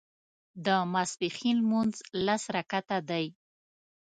د ماسپښين لمونځ لس رکعته دی